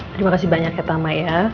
terima kasih banyak ya tama ya